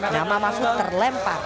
nama mahfud terlempar